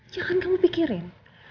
jangan kamu pikirin